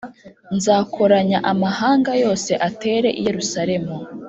Nzakoranya amahanga yose atere i yerusalemu